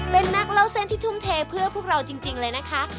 เป็นนักเล่าเส้นที่ทุ่มเทเพื่อพวกเราจริงเลยนะคะ